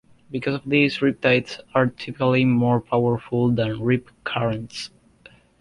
Because of this, riptides are typically more powerful than rip currents.